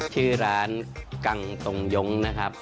ชื่อร้านกังตรงย้งนะครับ